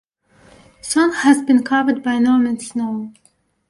Song has been covered by Nomeansno.